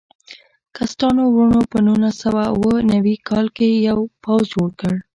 کسټانو وروڼو په نولس سوه اوه نوي کال کې یو پوځ جوړ کړ.